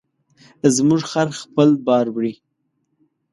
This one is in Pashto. زموږ خر خپل بار وړي.